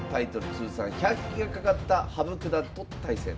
通算１００期がかかった羽生九段と対戦。